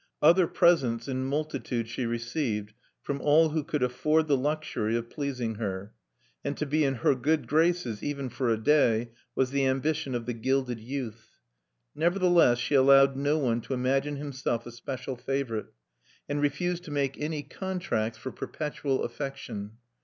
Other presents in multitude she received from all who could afford the luxury of pleasing her; and to be in her good graces, even for a day, was the ambition of the "gilded youth." Nevertheless she allowed no one to imagine himself a special favorite, and refused to make any contracts for perpetual affection.